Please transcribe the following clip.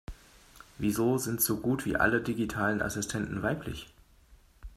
Wieso sind so gut wie alle digitalen Assistenten weiblich?